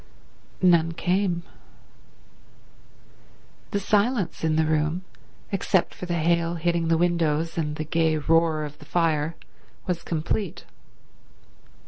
None came. The silence in the room, except for the hail hitting the windows and the gay roar of the fire, was complete.